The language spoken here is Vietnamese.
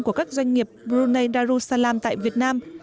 của các doanh nghiệp brunei darussalam tại việt nam